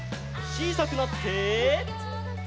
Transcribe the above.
ちいさくなって。